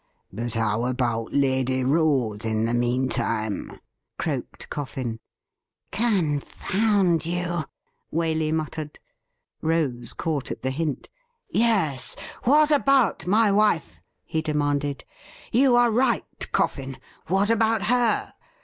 ' But how about Lady Rose in the meantime .''' croaked Coffin. ' Confound you !' Waley muttered. Rose caught at the hint. ' Yes, what about my wife ?' he demanded. ' You are right. Coffin. What about her